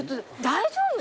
大丈夫？